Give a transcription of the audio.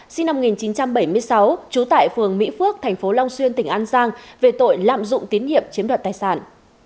sinh năm một nghìn chín trăm bảy mươi sáu trú tại phường mỹ phước thành phố long xuyên tỉnh an giang về tội lạm dụng tiến hiệp chiếm đoạt tài sản